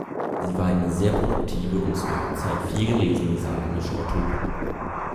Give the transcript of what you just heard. Sie war eine sehr produktive und zu ihrer Zeit vielgelesene saarländische Autorin.